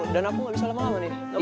dan aku gak bisa lama lama nih